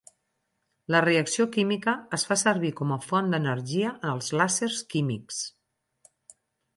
La reacció química es fa servir com a font d'energia en els làsers químics.